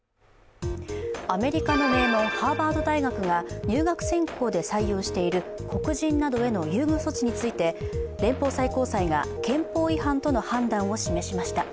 アメリカの名門ハーバード大学が入学選考で採用している黒人などへの優遇措置について連邦最高裁が憲法違反との判断を示しました。